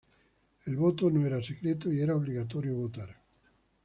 El voto no era secreto y era obligatorio votar.